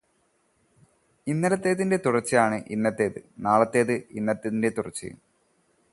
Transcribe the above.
ഇന്നലത്തേതിന്റെ തുടർചയാണ്, ഇന്നത്തേത്, നാളത്തേത് ഇന്നത്തേതിന്റെ തുടർചയും.